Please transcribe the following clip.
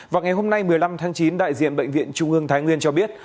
vào ngày hôm nay một mươi năm tháng chín đại diện bệnh viện trung ương thái nguyên cho biết